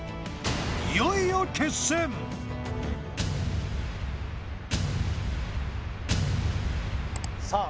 いよいよ決戦さあ